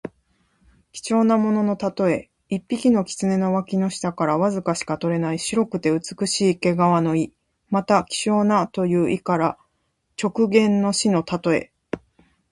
貴重なもののたとえ。一匹の狐の脇の下からわずかしか取れない白くて美しい毛皮の意。また、希少なという意から直言の士のたとえ。